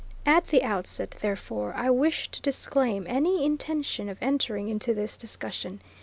At the outset, therefore, I wish to disclaim any intention of entering into this discussion.